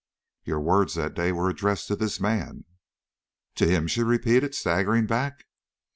"Your words that day were addressed to this man." "To him!" she repeated, staggering back.